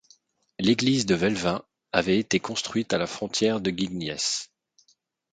L'église de Velvain avait été construite à la frontière de Guignies.